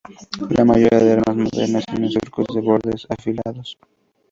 La mayoría de armas modernas tienen surcos de bordes afilados.